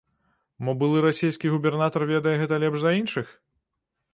Мо, былы расійскі губернатар ведае гэта лепш за іншых?